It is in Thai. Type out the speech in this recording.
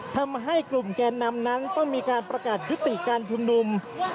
ทำให้กลุ่มแกนนำนั้นต้องมีการประกาศยุติการชุมนุม